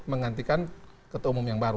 menggantikan ketua umum yang baru